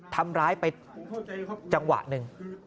ทำร้ายไปจังหวะหนึ่ง